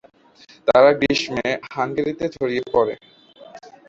তারা গ্রীষ্মে হাঙ্গেরিতে ছড়িয়ে পড়ে।